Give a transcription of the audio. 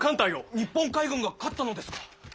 日本海軍が勝ったのですか！